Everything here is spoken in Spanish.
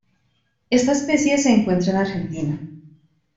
Esta especie se encuentra en Argentina